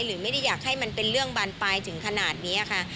หรือไม่ได้อยากให้มันเป็นเรื่องบานปลายถึงขนาดนี้ค่ะ